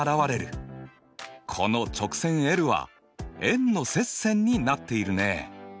この直線は円の接線になっているね。